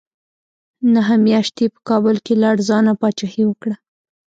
نهه میاشتې یې په کابل کې لړزانه پاچاهي وکړه.